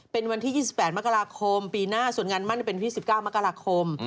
เป็นวันที่๒๘มกราคมปีหน้าส่วนงานมั่นเป็นวันที่๑๙มกราคม